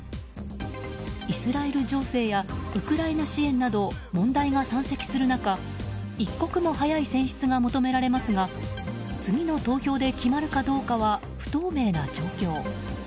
イスラエル情勢やウクライナ支援など問題が山積する中一刻も早い選出が求められますが次の投票で決まるかどうかは不透明な状況。